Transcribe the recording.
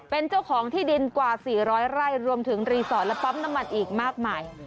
เป็นเจ้าของที่ดินกว่า๔๐๐ไร่รวมถึงรีสอร์ทและปั๊มน้ำมันอีกมากมาย